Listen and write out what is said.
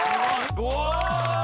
お！